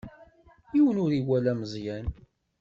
Yiwen ur iwala Meẓyan.